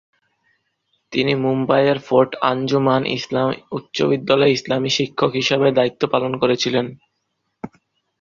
তিনি মুম্বাইয়ের ফোর্ট আঞ্জুমান ইসলাম উচ্চ বিদ্যালয়ে ইসলামী শিক্ষক হিসাবে দায়িত্ব পালন করেছিলেন।